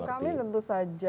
kalau kami tentu saja